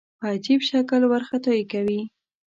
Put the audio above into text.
په عجیب شکل وارخطايي کوي.